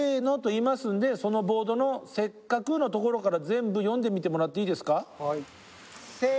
私がそのボードの「せっかく」のところから全部読んでみてもらっていいですか？